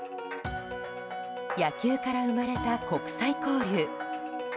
野球から生まれた国際交流。